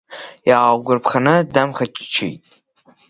Иаалгәарԥханы дамхаччеит.